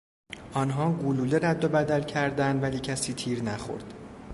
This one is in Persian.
آنها گلوله رد و بدل کردند ولی کسی تیر نخورد.